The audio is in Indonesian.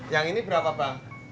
yang ini berapa bang